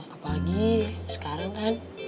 apalagi sekarang kan